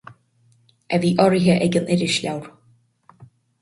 A bhí urraithe ag an irisleabhar.